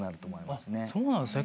そうなんですね。